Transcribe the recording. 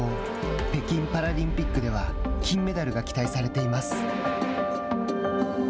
北京パラリンピックでは金メダルが期待されています。